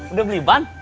udah beli ban